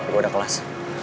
gue udah kelas